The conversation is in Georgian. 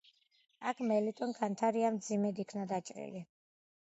აქ მელიტონ ქანთარია მძიმედ იქნა დაჭრილი.